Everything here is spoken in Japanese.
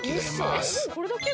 これだけ？